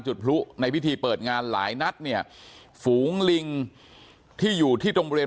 จุดพลุในพิธีเปิดงานหลายนัดเนี่ยฝูงลิงที่อยู่ที่ตรงบริเวณ